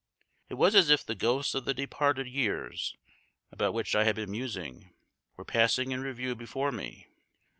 It was as if the ghosts of the departed years, about which I had been musing, were passing in review before me.